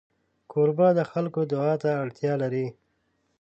کوربه د خلکو دعا ته اړتیا لري.